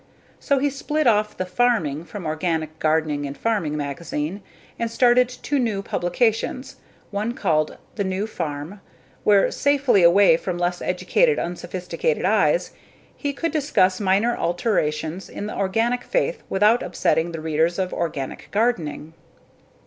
So he split off the "farming" from _Organic Gardening and Farming _magazine and started two new publications, one called The New Farm where safely away from less educated unsophisticated eyes he could discuss minor alterations in the organic faith without upsetting the readers of _Organic Gardening.